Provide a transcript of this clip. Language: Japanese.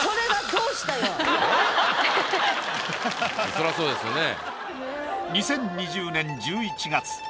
そらそうですよね。